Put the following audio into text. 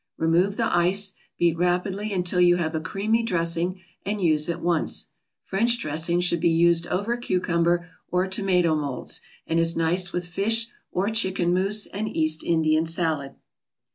Remove the ice, beat rapidly until you have a creamy dressing, and use at once. French dressing should be used over cucumber or tomato molds, and is nice with fish or chicken mousse and East Indian Salad.